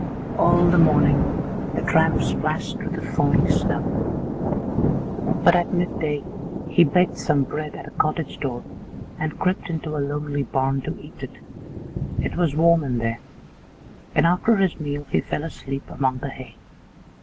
All the morning the tramp splashed through the thawing snow, but at midday he begged some bread at a cottage door and crept into a lonely barn to eat it. It was warm in there, and after his.meal he fell asleep among the hay.